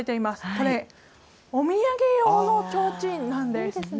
これ、お土産用のちょうちんなんです。